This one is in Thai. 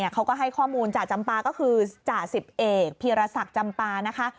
เขาก็ให้ข้อมูลจ่าจำปาก็คือจ่าสิบเอกพีรศักดิ์จำปานะคะ